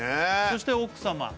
そして奥様